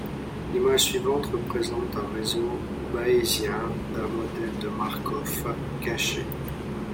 L'image suivante représente un réseau Bayésien d'un Modèle de Markov caché.